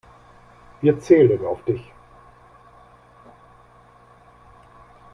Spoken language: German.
Wir zählen auf dich.